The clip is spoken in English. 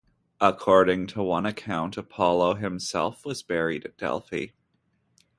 According to one account, Apollo himself was buried at Delphi.